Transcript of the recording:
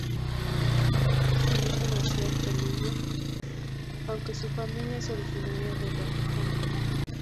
Sunita nació en Telugu, aunque su familia es originaria de Brahmán.